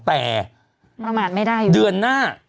แต่เดือนหน้า